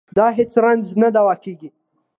د هېڅ رنځ نه دوا کېږي.